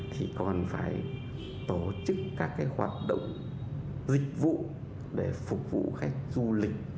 thì còn phải tổ chức các cái hoạt động dịch vụ để phục vụ khách du lịch